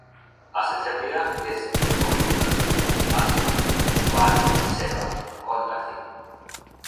ასეთებია გეზი, ორიენტაცია, ასპექტი, გვარი, ქცევა, კონტაქტი.